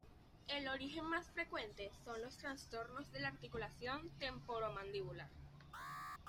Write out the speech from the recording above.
El origen más frecuente son los trastornos de la articulación temporomandibular.